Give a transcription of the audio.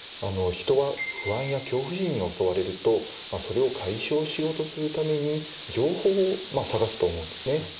人は不安や恐怖心に襲われるとそれを解消しようとするために情報を探すと思うんですね。